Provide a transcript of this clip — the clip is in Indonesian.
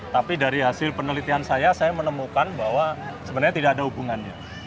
tapi dari hasil penelitian saya saya menemukan bahwa sebenarnya tidak ada hubungannya